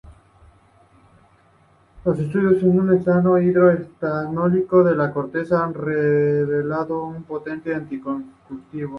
Los estudios de un extracto hidro-etanólico de la corteza han revelado un potente anti-convulsivo.